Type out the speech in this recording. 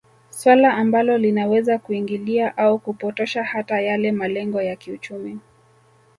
Swala ambalo linaweza kuingilia au kupotosha hata yale malengo ya kiuchumi